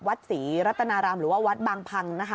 วัดศรีรัตนารามหรือว่าวัดบางพังนะคะ